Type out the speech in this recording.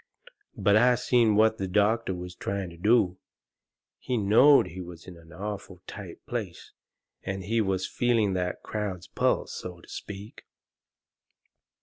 But I seen what the doctor was trying to do. He knowed he was in an awful tight place, and he was feeling that crowd's pulse, so to speak.